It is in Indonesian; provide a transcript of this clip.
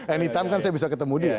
anytime kan saya bisa ketemu dia